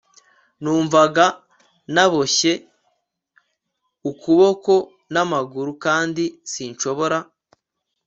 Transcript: numvaga naboshye, ukuboko n'amaguru, kandi sinshobora